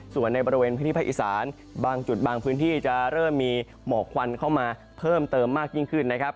ส่วนในบริเวณพื้นที่ภาคอีสานบางจุดบางพื้นที่จะเริ่มมีหมอกควันเข้ามาเพิ่มเติมมากยิ่งขึ้นนะครับ